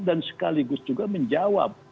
dan sekaligus juga menjawab